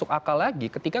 jadi kita harus mengingatkan